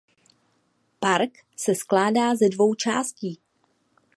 Park se skládá ze dvou částí.